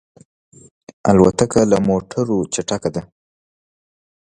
الوتکه له موټرو چټکه ده.